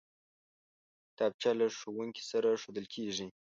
کتابچه له ښوونکي سره ښودل کېږي